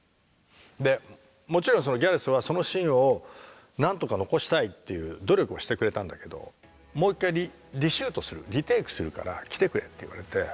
でもちろんギャレスはそのシーンを何とか残したいっていう努力はしてくれたんだけどもう一回リシュートするリテイクするから来てくれって言われて。